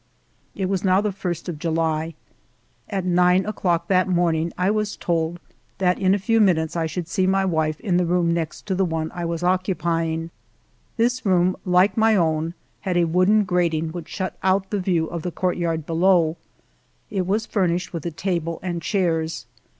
It was now the ist of July. At nine o'clock that morning, I was told that in a few minutes I should see my wife in the room next to the one I was occupying. This room, like my own, had a wooden grating which shut out the view of the courtyard below. It was furnished with a table and chairs.